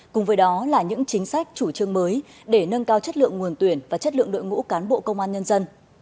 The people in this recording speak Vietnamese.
cùng với đó là những chính sách chủ trương mới để nâng cao chất lượng nguồn tuyển và chất lượng đội ngũ cán bộ công an nhân dân